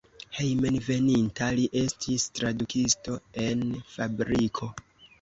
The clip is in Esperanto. Hejmenveninta li estis tradukisto en fabriko.